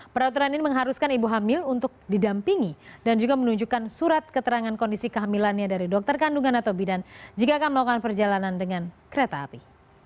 peraturan ini mengharuskan ibu hamil untuk didampingi dan juga menunjukkan surat keterangan kondisi kehamilannya dari dokter kandungan atau bidan jika akan melakukan perjalanan dengan kereta api